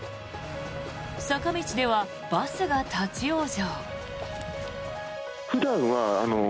坂道ではバスが立ち往生。